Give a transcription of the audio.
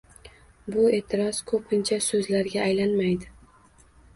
Bu e’tiroz ko‘pincha so‘zlarga aylanmaydi